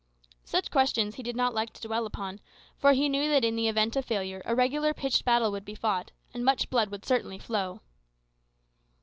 Such questions he did not like to dwell upon, for he knew that in the event of failure a regular pitched battle would be fought, and much blood would certainly flow.